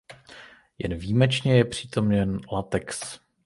Jen výjimečně je přítomen latex.